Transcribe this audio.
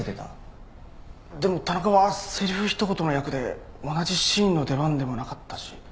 でも田中はセリフひと言の役で同じシーンの出番でもなかったし。